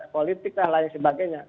politik dan lain sebagainya